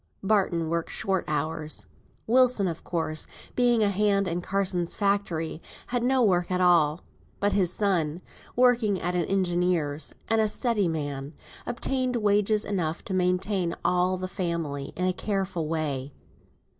Barton worked short hours; Wilson, of course, being a hand in Carsons' factory, had no work at all. But his son, working at an engineer's, and a steady man, obtained wages enough to maintain all the family in a careful way.